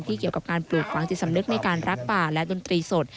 เกี่ยวกับการปลูกฝังจิตสำนึกในการรักป่าและดนตรีสด